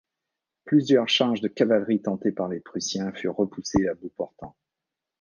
Plusieurs charges de cavalerie tentées par les Prussiens furent repoussées à bout portant.